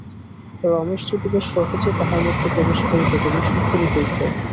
রমেশ যদি বেশ সহজে তাহার মধ্যে প্রবেশ করিত তবে সুখেরই হইত।